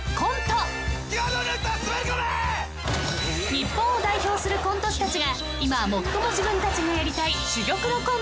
［日本を代表するコント師たちが今最も自分たちがやりたい］